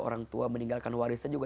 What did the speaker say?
orang tua meninggalkan warisan juga